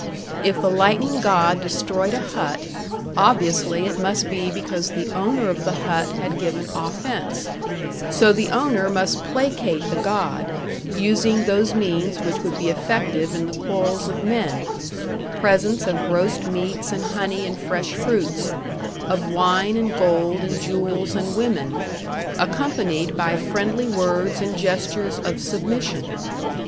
If the lightning god destroyed a hut, obviously it must be because the owner of the hut had given offense; so the owner must placate the god, using those means which would be effective in the quarrels of men presents of roast meats and honey and fresh fruits, of wine and gold and jewels and women, accompanied by friendly words and gestures of submission.